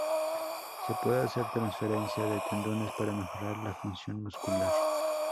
Se puede hacer transferencia de tendones para mejorar la función muscular.